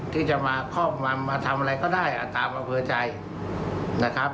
ที่จะมาครอบงำมาทำอะไรก็ได้ตามอำเภอใจนะครับ